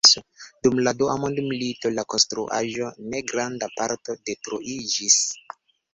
Dum la Dua Mondmilito la konstruaĵo je granda parto detruiĝis.